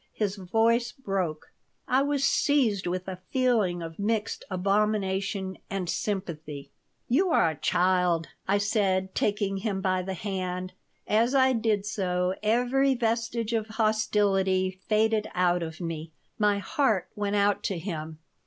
His voice broke I was seized with a feeling of mixed abomination and sympathy "You are a child," I said, taking him by the hand. As I did so every vestige of hostility faded out of me. My heart went out to him.